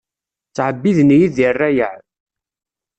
Ttɛebbiden-iyi di rrayeɛ.